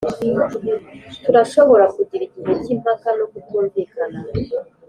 turashobora kugira igihe cyimpaka no kutumvikana